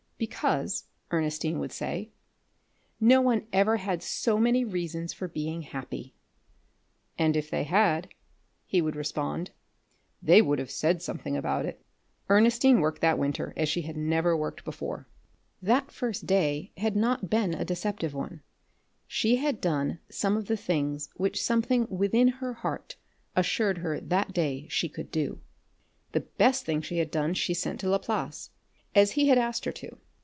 "Because," Ernestine would say, "no one ever had so many reasons for being happy." "And if they had," he would respond, "they would have said something about it." Ernestine worked that winter as she had never worked before. That first day had not been a deceptive one. She had done some of the things which something within her heart assured her that day she could do. The best thing she had done she sent to Laplace, as he had asked her to.